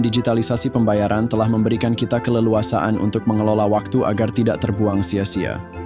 digitalisasi pembayaran telah memberikan kita keleluasaan untuk mengelola waktu agar tidak terbuang sia sia